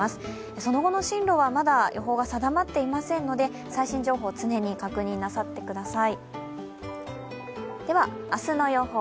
その後の進路はまだ予報が定まっていませんので最新情報を常に確認なさってください。